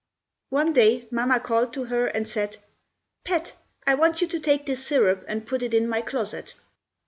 One day Mamma called to her and said, "Pet, I want you to take this syrup and put it in my closet!"